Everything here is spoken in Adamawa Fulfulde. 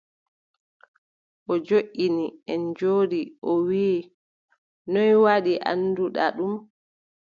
O joɗɗini, en njooɗi, o wii : noy waɗi annduɗa ɗum ?